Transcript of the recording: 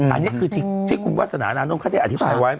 อันนี้คือที่คุณวาสนานานงเขาได้อธิบายไว้